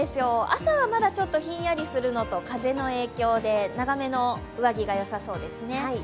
朝はまだちょっとひんやりするのと風の影響で長めの上着がよさそうですね。